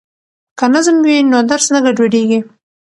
که نظم وي نو درس نه ګډوډیږي.